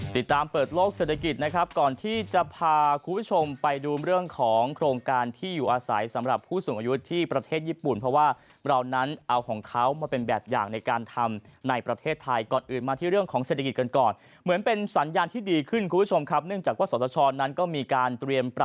ติดตามเปิดโลกเศรษฐกิจนะครับก่อนที่จะพาคุณผู้ชมไปดูเรื่องของโครงการที่อยู่อาศัยสำหรับผู้สูงอายุที่ประเทศญี่ปุ่นเพราะว่าเรานั้นเอาของเขามาเป็นแบบอย่างในการทำในประเทศไทยก่อนอื่นมาที่เรื่องของเศรษฐกิจกันก่อนเหมือนเป็นสัญญาณที่ดีขึ้นคุณผู้ชมครับเนื่องจากว่าสตชนั้นก็มีการเตรียม